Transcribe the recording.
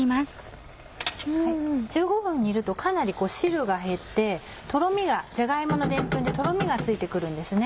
１５分煮るとかなり汁が減ってとろみがじゃが芋のでんぷんでとろみがついて来るんですね。